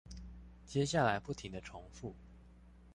接下來不停的重複